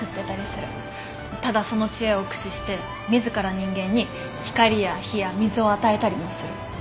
ただその知恵を駆使して自ら人間に光や火や水を与えたりもする。